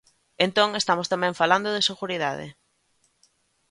Entón, estamos tamén falando de seguridade.